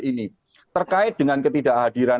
ini terkait dengan ketidakhadiran